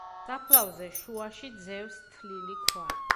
საფლავზე, შუაში ძევს თლილი ქვა.